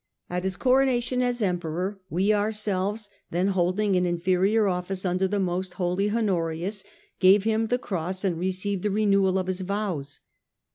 At his Coronation as Emperor, we ourselves, then holding an inferior office under the most Holy Honorius, gave him the Cross and received the renewal of his vows.